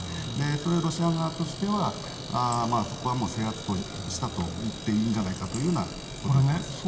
それ、ロシア側としてはそこはもう制圧したと言っていいんじゃないかというようなことです。